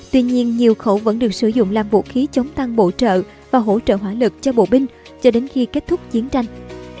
tuy nhiên nhiều khẩu vẫn được sử dụng làm vũ khí chống tăng bổ trợ và hỗ trợ hỏa lực cho bộ binh cho đến khi kết thúc chiến tranh